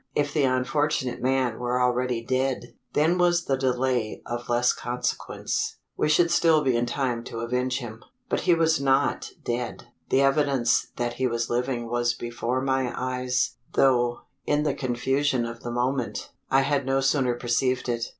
If the unfortunate man were already dead, then was the delay of less consequence: we should still be in time to avenge him. But he was not dead. The evidence that he was living was before my eyes; though, in the confusion of the moment, I had no sooner perceived it.